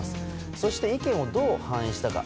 そして意見をどう反映したか。